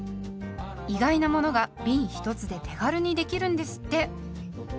意外なものがびん１つで手軽にできるんですって。